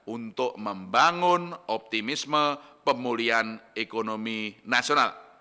untuk membangun optimisme pemulihan ekonomi nasional